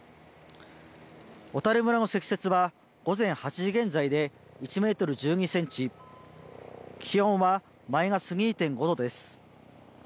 小谷村の積雪は午前８時現在で１メートル１２センチ、気温はマイナス２．５度です。